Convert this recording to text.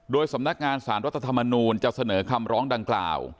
โดยสำนักงานสารรัฐธรรมนูลจะเสนอคำร้องดังกล่าว